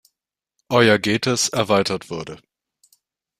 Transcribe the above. Euergetes erweitert wurde.